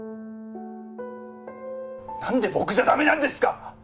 なんで僕じゃ駄目なんですか！